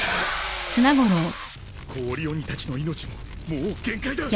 氷鬼たちの命ももう限界だ！